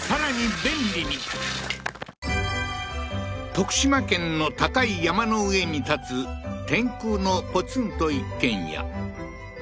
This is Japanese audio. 徳島県の高い山の上に建つ天空のポツンと一軒家